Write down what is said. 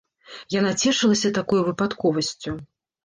Яна цешылася такою выпадковасцю.